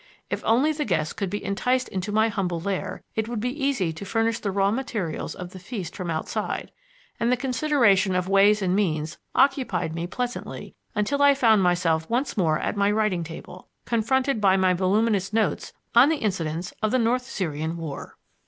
If only the guests could be enticed into my humble lair it would be easy to furnish the raw materials of the feast from outside; and the consideration of ways and means occupied me pleasantly until I found myself once more at my writing table, confronted by my voluminous notes on the incidents of the North Syrian War.